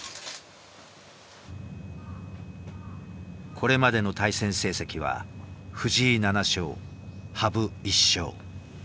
これまでの対戦成績は藤井７勝羽生１勝。